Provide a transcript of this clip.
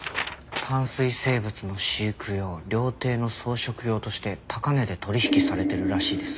淡水生物の飼育用料亭の装飾用として高値で取引されてるらしいです。